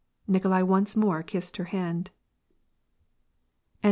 Nikolai once more kissed her hand.